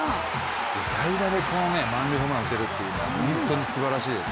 代打でこの満塁ホームラン打てるっていうのは本当にすばらしいです。